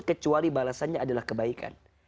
kecuali balasannya adalah kebaikan